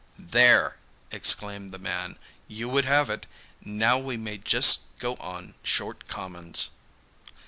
'There!' exclaimed the man, 'you would have it now we may just go on short commons.